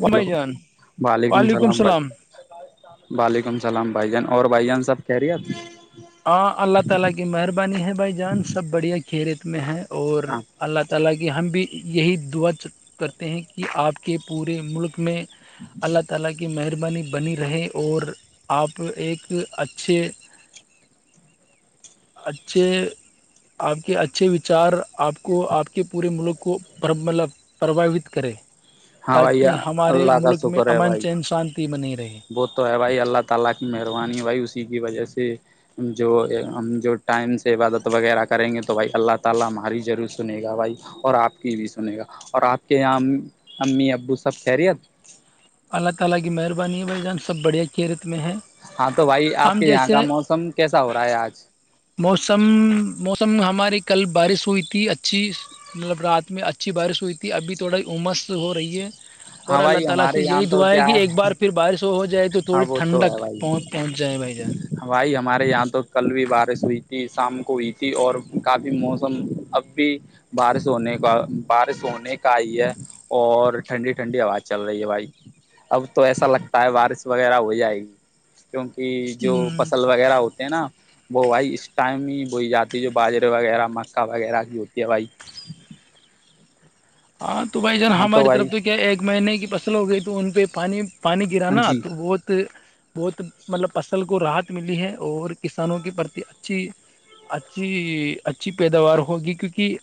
و ہلو بھائی جان وعلیکم السلام بھائی وعلیکم السلام بھائی جان اور بھائی جان سب کہہ رہی ہیں آپ ا اللہ تعالی کی مہربانی ہے بھائی جان سب بڑھیا کھیت میں ہیں اور ہاں اللہ تعالی کی ہم بھی یہی دعا کرتے ہیں کہ اپ کے پورے ملک میں اللہ تعالی کی مہربانی بنی رہے اور اپ ایک اچھے اچھے آپ کے اچھے وچار آپ کو آپ کے پورے ملک کو پر مطلب پرواوت کرے ہاں بھائی تاکہ ہمارے اللہ کا ملک میں شکر ہے امن بھائی چین شانتی بنی رہے وہ تو ہے بھائی اللہ تعالی کی مہربانی بھائی اسی کی وجہ سے جو ہم جو ٹائم سے وعدہ وغیرہ کریں گے تو بھائی اللہ تعالی ہماری جریر سنیے گا بھائی اور آپ کی بھی سنے گا اور آپ کے یہاں امی ابو سب خیریت اللہ تعالی کی مہربانی ہے بھائی جان سب بڑے کیرت میں ہیں ہاں تو بھائی آپ کے یہاں کا موسم کیسا ہو رہا ہے آج موسم موسم ہماری کل بارش ہوئی تھی اچھی مطلب رات میں اچھی بارش ہوئی تھی ابھی تھوڑی عمس ہو رہی ہے اور ہاں اللہ بھائی تعالی سے ہمارے یہاں یہی تو دعا ہے کیا کہ ایک بار پھر بارش ہوگ جائے تو ہاں تھوڑی وہ تو ہے ٹھنڈک بھائی پہنچ جائے بھائی جان بھائی ہمارے یہاں تو کل بھی بارش ہوئی تھی شام کو ہوئی تھی اور کافی موسم اب بھی بار سونے کا بار سونے کائی ہے اور ٹھنڈی ٹھنڈی آواز چل رہی ہے بھائی اب تو ایسا لگتا ہے بارش وغیرہ ہو جائے گی کیونکہ جو ہوں فصل وغیرہ ہوتے ہیں نا وہ بھائی اس ٹائم ہی بی جاتی ہے جو باجرے وغیرہ مکا وغیرہ کی ہوتی ہے بھائی ہاں تو بھائی جان ہاں تو ہماری طرف بھائی پہ کیا ایک مہینے کی فصل ہو گئی تو ان پہ پانی پانی گر ہاں نا جی تو وہت بہت مطلب فصل کو رحت ملی ہے اور کسانوں کے پرتی اچھی اچھی اچھی پیداوار ہوگی کیونکہ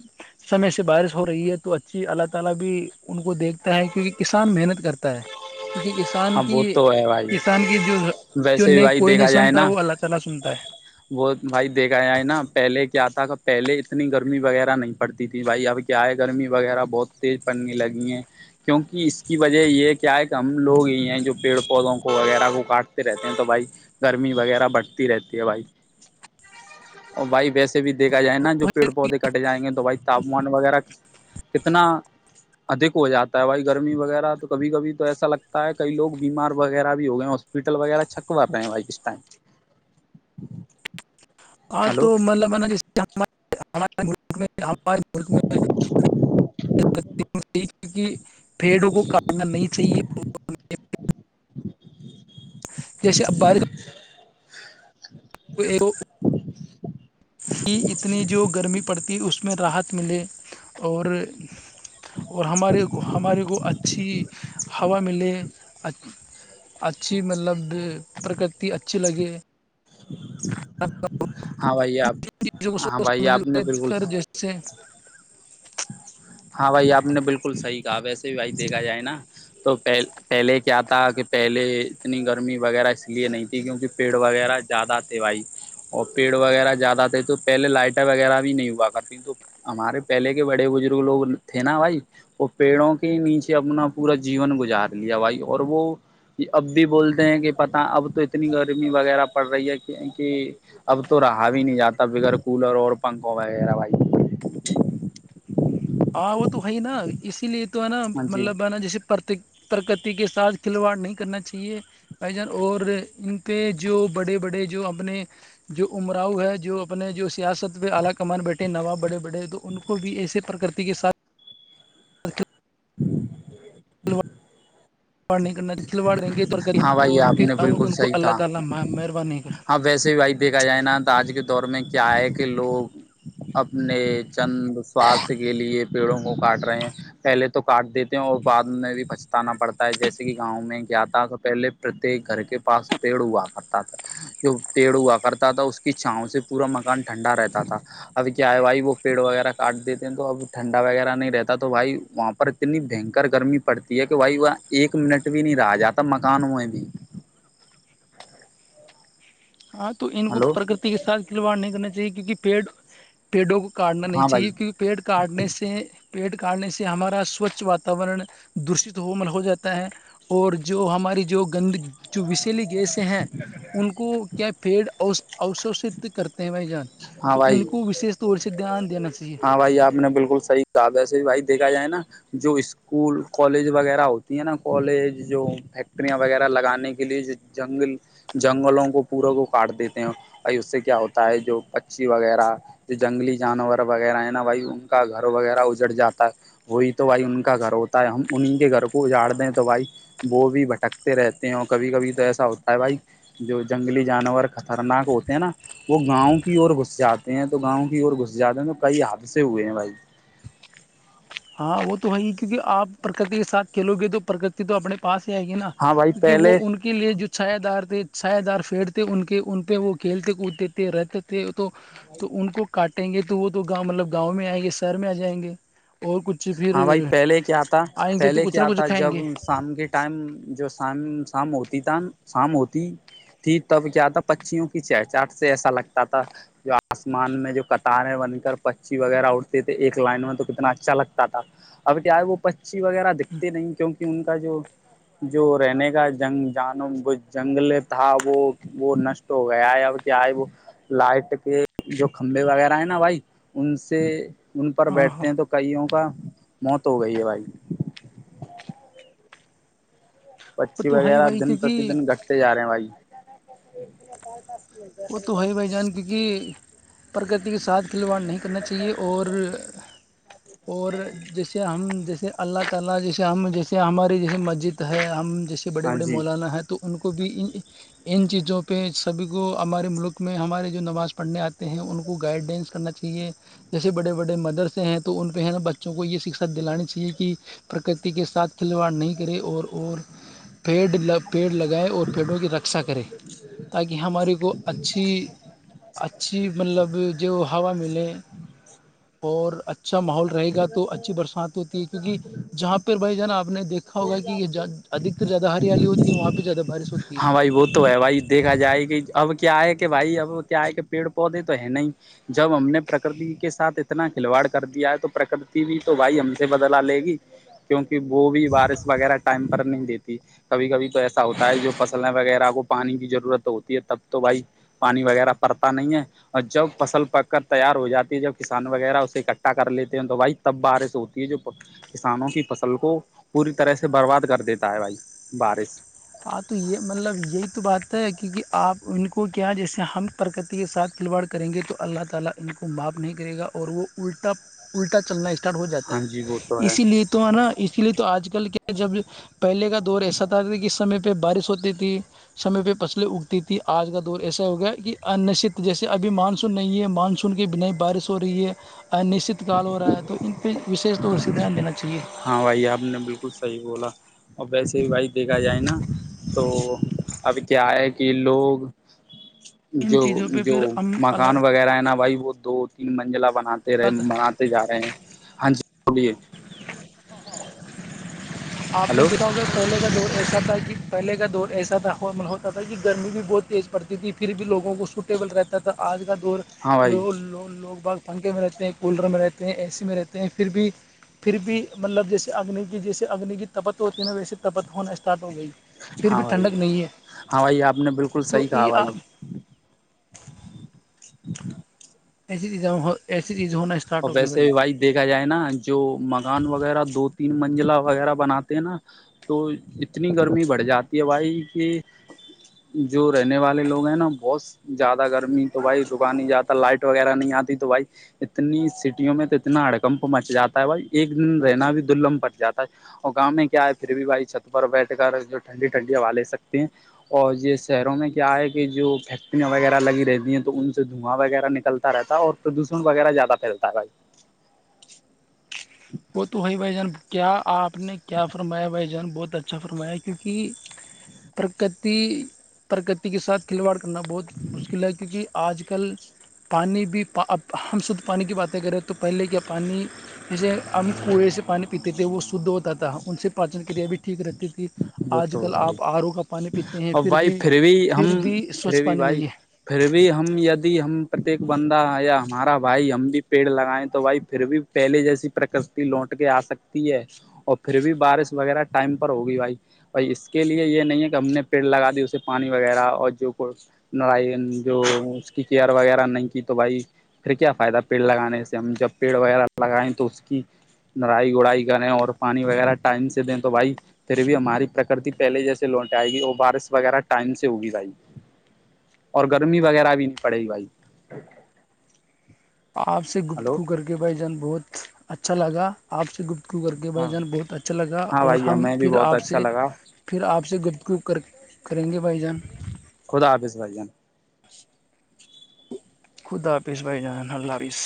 سمے سے بارش ہو رہی ہے تو ا اللہ تعالی بھی ان کو دیکھتا ہے کیونکہ کسان محنت کرتا ہے کیونکہ کسان ہاں کی وہ تو ہے بھائی کسان کی جو جو ویسے بھی نئی بھائی کوئی نہیں دیکھا جائے سنتا ہے نا وہ اللہ تعالی سنتا ہے وہ بھائی دیکھا ہے نا پہلے کیا تھا پہلے اتنی گرمی وغیرہ نہیں پڑتی تھی بھائی اب کیا ہے گرمی وغیرہ بہت تیز پڑنے لگی ہیں کیونکہ اس کی وجہ یہ کیا ہے کم لوگ ہیں جو پیڑ پودوں کو وغیرہ کو کاٹتے رہتے ہیں تو بھائی گرمی وغیرہ بڑھتی رہتی ہے بھائی اور بھائی وس بھی دھا جائے نا جو پیڑ پودے کٹے جائیںے تو بائی تاپمان وغیرہ کتنا ادھک ہو جاتا ہے بھائی گرمی وغیرہ تو کبھی کبھی تو ایسا لگ کئی لگ بیمار وغیرہ بھی ہو گئے ہیں ہاسپٹل وغیرہ چھک ب رہ ہیں بھائی کس ٹائم [unintelligible] ہاں ہلو تو مطلب ہے نا جیس ہمارےک میں ہمارے ملک میں کیونکہ پیڑوں کو کاٹنا نہیں چاہیے جش عبارش [unintelligible] اچ کہ اتنی جو گرمی پڑتی اس میں راحت ملے اور اور ہمارے کو ہمارے کو اچھی ہوا ملے ا اچھی مطلب پرکرتی اچھی لگے ہاں بھائی آپ چیز کو ہاں بھائی آپ نے س سر بالکل جیسے ہاں بھائی آپ نے بالکل صحی کہا ویسے بھی بھائی دیکھا جائے نا تو پہل پہلے کیا تھا کہ پہلے اتنی گرمی وغیرہ اس لیے نہیں تھی کیونکہ پیڑ وغیرہ زیادہ تھے وھائی اور پیڑ وغیرہ زیادہ تھے تو پہلے لائٹر وغیرہ بھی نہیں ہوا کرتی تو ہمارے پہلے کے بڑے بزرگ لوگ تھے نا بھائی وہ پیڑوں کے نیچے اپنا پورا جیون گزار لیا بھائی اور وہ کہ اب بھی بولتے ہیں کہ پتہ اب تو اتنی گرمی وغیرہ پڑ رہی ہے کہ کہ اب تو رہا بھی نہیں جاتا بغیر کولر اور پنکھوں وغیرہ بھائی ہاں وہ تو ہے نا اسی لیے تو ہے نا ہاں جی مطلب ہے نا جیسے پرت ترکتی کے ساتھ کھلواڑ نہیں کرنا چاہیے بھائی جان اور ان پہ جو بڑے بڑے جو اپنے جو امراؤ ہے جو اپنے جو سیاست پہ اعلی کمان بیٹھے نواب بڑے بڑے تو ان کو بھی ایے پرکرتی کے ساتھ [unintelligible] نہیں کرنا سلواڑ دیں گے ہاں بھائی اور آپ پھر نے ا بالکل ان کو صحیح اللہ کہا تعالی مہربانی نہیں کریں ہاں ویسے بھی بھائی دیکھا جائے نا تو آج کے دور میں کیا ہے کہ لوگ اپنے چند سوارھ کے لیے پیڑوں کو کاٹ رہے ہیں پہلے تو کاٹ دیتے ہیں اور بعد میں بھی پچتانا پڑتا ہے جیسے گاؤں میں کیا تھا تو پہلے پرتیک گھر کے پاس پیڑ ہوا کرتا تھا جو پیڑ ہوا کرتا تھا اس کی چھاؤ سے پورا مکان ٹھنڈا رہتا تھا ابھی کیا ہے بھائی وہ پیڑ وغیرہ کاٹ دیتے ہیں تو اب ٹھنڈا وغیرہ نہیں رہتا تو بھائی وہاں پر اتنی بھینکر گرمی پڑتی ہے کہ بھائی وہ ایک منٹ بھی نہیں رہا جاتا مکانوں میں بھی ہاں تو ان کو ہلو پرکتی کے ساتھ کھلواڑ نہیں کرنا چاہیے کیونکہ پیڑ پیڑوں کو کاٹنا نہیں ہاں بھائی چاہیے کیونکہ پیڑ کاٹنے سے پیڑ کاٹنے سے ہمارا سوچھ وااتاورن دشت ہومل ہو جاتا ہے اور جو ہماری جو گند جو وشیلی گیسیں ہیں ان کو کیا پیڑ اوشوشت کرتے ہیں بھائی جان ہاں تو ان بھائی کو وشیش طور سے دھیان دینا چاہیے ہاں بھائی آپ نے بالکل صحیح کہا وسے بھی بھائی دیکا جائے نا جو اس اسکول کالج وغیرہ ہوتی ہیں نا کالج جو فیکٹریاں وغیرہ لگانے کے لیے جو جنگل [unintelligible] جنگلوں کو پورا کو کاٹ دیتے ہیں اور اس سے کیا ہوتا ہے جو پچی وغیرہ جو جنگلی جانور وغیرہ ہیں نا بھائی ان کا گھر وغیرہ اجڑ جاتا ہے وہی تو بھائی ان کا گھر ہوتا ہے ہم انہیں کے گھر کو اجاڑ دیں تو بھائی وہ بھی بھٹکتے رہتے ہیں اور کبھی کبھی تو ایسا ہوتا ہے بھائی جو جنگلی جانور خطرناک ہوتے ہیں نا وہ گاؤں کی اور گھس جاتے ہیں تو گاؤں کی اور گھس جاتے ہیں تو کئی حادثے ہوئے ہیں بھائی ہاں وہ تو ہے ہی کیونکہ آپ پرکتی کے ساتھ کھیلو گے تو پرکتی تو اپنے پاس آئے گی نا ہاں بھائی کیونکہ وہ پہلے ان کے لیے جو سادار ساائےدار فیڑ تھے ان کے ان پہ وہ کھیلتے کودتے تھے رہتے تھے تھے تو ان کو کاٹیں گے تو وہ تو گاں مطلب گاؤں میں آئیں گے شہر میں آ جائیں گے اور کچھ پھر ہاں بھائی پہلے کیا تھا آئیں گے تو پہلے کچھ نہ کیا کچھ تھا کھائیں جب گے شام کے ٹائم جو شام شام ہوتی تھا شام ہوتی تھی تب کیا تھا پچیوں کی چ چاٹ سے ایسا لگتا تھا [unintelligible] جو آسمان میں جو قطاریں بن کر پچی وغیرہ اٹھتے تھے ایک لائن میں تو کتنا اچھا لگتا تھا اب کیاے وہ پچی وغیرہ دکھتے نہیں کیونکہ ان کا جو جو رہنے کا جنگ جان جنگل تھا وہ وہ نشٹ ہو گیا ہے اب کیا ہے وہ لائٹ کے جو کھمبے وغیرہ ہے نا بھائی ان سے ان پر ہاں ہاں بیٹھتے ہیں تو کئیوں کا موت ہو گئی ہے بھائی وہ پچھی تو ہے ہی وغیرہ بھائی دن پرتی کیونکہ دن گھٹتے جا رہے ہیں بھائی وہ تو ہے ہی بھائی جان کیونکہ پرکتی کے ساتھ کلوا نہیں کرنا چاہیے اور اور جیس ہم جیسے اللہ تعالی جیسے ہم جیسے ہماری جیسے مسجد ہے ہم جیسے بڑے ہاں بڑے جی مولانا ہیں تو ان کو بھی ان چیزوں پہ سبھی کو ہمارے ملک میں ہمارے جو نماز پڑھنے آتے ہیں ان کو گائیڈینس کرنا چاہیے جیسے بڑے بڑے مدرس ہیں تو ان پہ ہے نا بچوں کو یہ شکشا دلانی چاہیے کہ پرکتی کے ساتھ کھلواڑ نہیں کرے اور اور پیڈ پیڑ لگائےیں اور پیڑوں کی رکشا کرے تاکہ ہماریے کو اچھی اچھی مطلب جو ہوا ملے اور اچھا ماحول رہے گا تو اچھی برسات ہوتی ہے کیونکہ جہاں پہ بھائی ج نا آپ نے دیکھا [unintelligible] ہوگا کہ یہ اھکر زیادہ ہریالی ہوتی ہے وہاں پہ زیادہ بارش ہوتی ہے ہاں بھائی وہ تو ہے بھائی دیکھا جائے کہ اب کیا آئے کہ بھائی اب کیا آئے کہ پیڑ پودے تو ہے ن ہی [unintelligible] جب ہم نے پرکرتی کے ساتھ اتنا کھلواڑ کر دیا ہے تو پرکرتی بھی تو بھائی ہم سے بدلا لے گی جچ [unintelligible] کیوںکہ وہ بھی بارش وغیرہ ٹائم پر نہیں دیتی کبھی کبھی تو ایسا ہوتا ہے جو فصلیں وغیرہ کو پانی کی ضرورت ہوتی ہے تب تو بھائی پانی وغیرہ پڑتا نہیں ہے اور جب فصل پک کر تیار ہو جاتی ہے جب کسان وغیرہ اسے اکٹھا کر لیتے ہیں تو بائی تب بارش ہوتی ہے جو کسانوں کی فصل کو پوری طرح سے برباد کر دیتا ہے بھائی بارش ہاں تو یہ مطلب یہی تو بات ہے کیونکہ آپ ان کو کیا جیسے ہم پرکتی کے سھ کھلواڑ کریں گے تو اللہ تعالی ان کو معاف نہیں کرے گا اور وہ الٹا الٹا چلنا اسٹارٹ ہو جاتا ہاں ہے جی وہ تو ہے اسی لیے [unintelligible] ہے نا اسی لیے تو آج کل کے جب پہے کا دور ایسا تھا تھا کہ سمے پہ بارش ہوتی تھی سمے پہ فصلیں اگتی تھی آج کا دور ایسا ہو گیا کہ انشچت جیسے ابھی مانسون نہیں ہے مانسون سن کے بھی نئی بارش ہو رہی ہے انشچت کال ہو رہا ہے تو ان پہ وشیش طور سے دھیان دینا چاہیے ہاں بھائی آپ نے بالکل صحیح بولا اور ویسے بھی بھائی دیکھا جائے نا تو اب کیا ہے کہ لوگ ان جو چیزوں پہ جو پھر ہم مکان وغیرہ ہے نا بھائی وہ دو تین منزلہ بناتے اللہ رہے جا رہے ہیں ہاں جی بولیے آپ نے ہلو بتاؤ گا پہلے کا دور ایسا تھا کہ پہلے کا دور ایسا تھا تھا کہ گرمی بھی بہت تیز پڑتی تھی پھر بھی لوگوں کو ٹیبل رہتا تھا آج کا دور ہاں بھائی لوگ باگ پنکھے میں رہتے ہیں کولر میں رہتے ہیں اے سی میں رہتے ہیں پھر بھی پھر بھی مطلب جیسے اگنی کی جیسے اگنی کی تپت ہوتی ہے نا ویسے پت ہونا اسٹارٹ ہو گئی پھر ہاں بھی بھائی ٹھنڈک نہیں ہے ہاں بھائی آپ نے بالکل تو صحیح کہا یہ بھائی آپ ایسی چیز ایسی چیز ہونا اسٹارٹ اور ہو گئی ویسے بھی جان بھائی دیکھا جائے نا جو مکان وغیرہ دو تین منزلا وغیرہ بناتے ہیں نا تو اتنی گرمی بڑھ جاتی ہے بھائی کہ جو رہنے والے لوگ ہیں نا بہت زیادہ گرمی تو بھائی زکان لائٹ وغیرہ نہیں آتی تو بھائی اتنی سٹیوں میں تو اتنا ہڑکمپ مچ جاتا ہے بھائی ایک دن رہنا بھی دلمھ پچ جاتا ہے اور گؤں میں کیا ہے پھر بھی بھائی چھت پر بیٹھ کر جو ٹھنڈی ٹھنڈی ہوا لے سکتے ہیں اور یہ شہروں میں کیا ہے کہ جو فیکٹریاں وغیرہ لگی رہتی ہیں تو ان سے دھواں وغیرہ نکل رہتا ہے اور پردوشن وغیرہ زیادہ پھیلتا ہے بھائی وہ تو ہوائی بھائی جان کیا آپ نے کیا فرمایا بھائی جان بہت اچھا فرمایا کیونکہ پرکتی پرکتی کے ساتھ کھلواڑ کرنا بہت مشکل ہے کیونکہ آج کل پانی بھی اب ہم شدھ پانی کی باتیں کریں تو پہلے کیا پانی جسے ہم کنویں سے پانی پیتے تھے وہ شدھ ہوتا تھا ان سے پاچن کریا بھی ٹھیک رہتی تھی وہ آج تو ہے کل بھائی آپ آرو کا پانی پیتے ہیں اور پھر بھائی بھی ہم پھر بھی پھر سوچھ بھی پانی بھائی نہیں ہے پھر بھی ہم دی ہم پرتیک بندہ یا ہمارا بھائی ہم بھی پیڑ لگائےیں تو بھائی پھر بھی پہلے جیسی پرکتی لوٹ کے آ سکتی ہے اور پھر بھی بارش وغیرہ ٹائم پر ہوگی بھائی بھائی اس کے لیے یہ نہیں ہے کہ ہم نے پیڑ لگا دی اسے پانی وغیرہ اور جو نارائن جو اس کی کیئر وغیرہ نہیں کی تو بھائی پھر کیا فائد ہے پیڑ لگانے سے ہم جب پیڑ وغیرہ لگائیں تو اس کی لڑائی گڑائی کریں اور پانی وغیرہ ٹائم سے دیں تو بھائی پھر بھی ہماری پرکرتی پہلے جیسے لوٹ آئے گی اور بارش وغیرہ ٹائم سے ہوگی بھائی اور گرمی وغیرہ بھی نہیں پڑے گی بھائی آپ سے ہلو گفتگو کر کے بھائی جان بہت اچھا لگا آپ سے گفتگو کر کے بھائی ہاں جان بہت اچھا لگا ہاں اور بھائی ہم ہمیں بھی پھر بہت آپ اچھا سے لگا پھر آپ سے گفگپ کریں گے بھائی جان خدا حافظ بھائی جان خدا حافظ بھائی جان اللہ حافظ